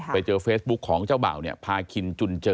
ไปเจอเฟสบุ๊คของเจ้าเบ่าเนี่ย